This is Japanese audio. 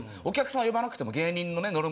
お客さん呼ばなくても芸人のね